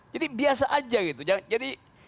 jadi biasa aja gitu jadi